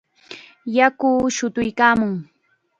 Yaku shutuykaamun.